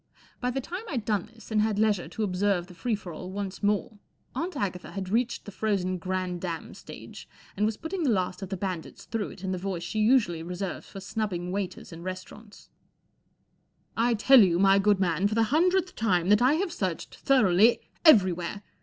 The chambermaid continued to go strong. I say," I said, +l I think there's something more* Aunt Agatha had reached the frozen grande dame stage and was putting the last of the bandits through it in the voice she usually reserves for snubbing waiters in restaurants. fl I tell you, my good man, for the hun¬ dredth time, that I have searched thoroughly —everywhere.